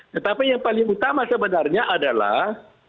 tetapi yang paling utama sebenarnya adalah